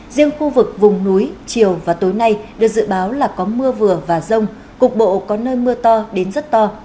riêng khu vực vùng núi chiều và tối nay được dự báo là có mưa vừa và rông cục bộ có nơi mưa to đến rất to